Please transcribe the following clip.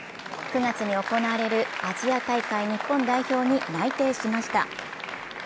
９月に行われるアジア大会日本代表に内定しました。